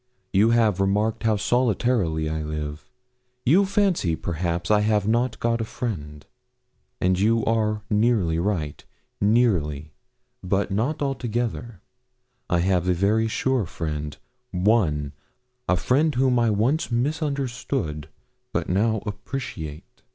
You have remarked how solitarily I live. You fancy, perhaps, I have not got a friend, and you are nearly right nearly, but not altogether. I have a very sure friend one a friend whom I once misunderstood, but now appreciate.'